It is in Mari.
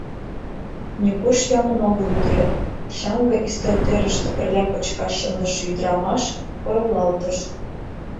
— Нигуш йомын огыл ӱдырет, — шаҥге ӱстелтӧрыштӧ пырля кочкаш шындыше ӱдырамаш койылалтыш.